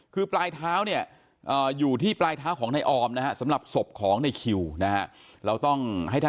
คือปลายเท้าเนี่ยอยู่ที่ปลายเท้าของในออมนะฮะ